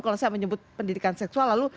kalau saya menyebut pendidikan seksual lalu